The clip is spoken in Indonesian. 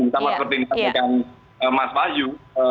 sama seperti yang disampaikan mas bayu